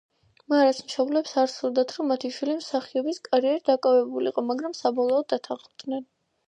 მარას მშობლებს არ სურდათ, რომ მათი შვილი მსახიობის კარიერით დაკავებულიყო, მაგრამ საბოლოოდ დათანხმდნენ.